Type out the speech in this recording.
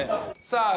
さあ